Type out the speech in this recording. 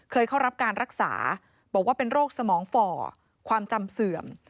เคยเข้ารับการรักษาบอกว่าเป็นโรคสมองฝ่อความจำเสื่อม